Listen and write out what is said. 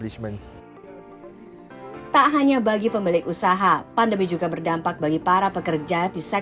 syaratnya pemesanan dibuat pandemi